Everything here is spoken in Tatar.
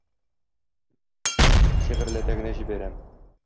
Шигырьләтә генә җибәрәм.